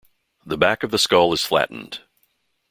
The back of the skull is flattened.